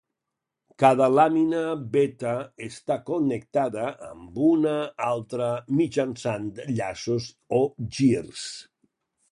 Cada làmina beta està connectada amb una altra mitjançant llaços o girs.